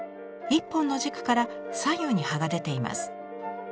１本の軸から左右に葉が出ています。